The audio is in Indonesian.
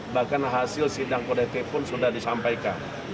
bahkan hasil sidang kode t pun sudah disampaikan